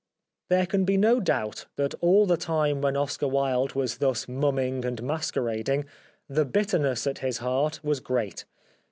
There can be no doubt that all the time when Oscar Wilde was thus mumming and masquer ading the bitterness at his heart was great.